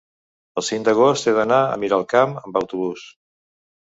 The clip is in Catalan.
el cinc d'agost he d'anar a Miralcamp amb autobús.